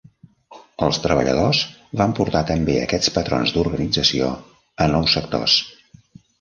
Els treballadors van portar també aquests patrons d'organització a nous sectors.